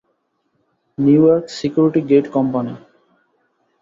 New York security gate company.